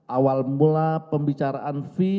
awal mula pembicaraan fee